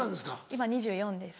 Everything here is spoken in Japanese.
今２４歳です。